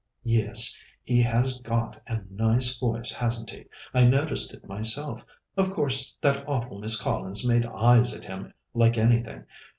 "Yes; he has got a nice voice, hasn't he? I noticed it myself. Of course, that awful Miss Collins made eyes at him like anything.